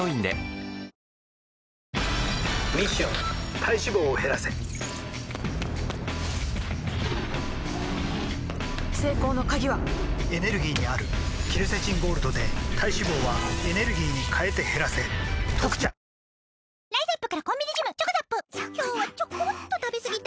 体脂肪を減らせ成功の鍵はエネルギーにあるケルセチンゴールドで体脂肪はエネルギーに変えて減らせ「特茶」ＧＥＴＲＥＦＲＥＳＨＥＤ！